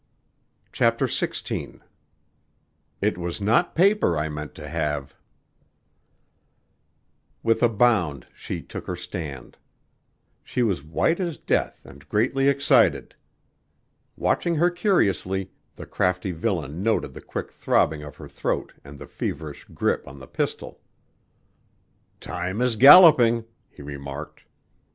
"Now for the song," he cried. CHAPTER XVI "It was not paper I meant to have" With a bound she took her stand. She was white as death and greatly excited. Watching her curiously, the crafty villain noted the quick throbbing of her throat and the feverish grip on the pistol. "Time is galloping," he remarked.